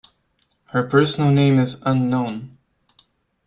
Her personal name is unknown.